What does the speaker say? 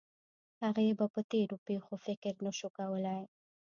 هغې به په تېرو پېښو فکر نه شو کولی